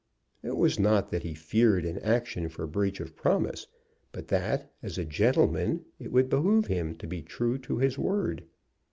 It was not that he feared an action for breach of promise, but that, as a gentleman, it would behoove him to be true to his word.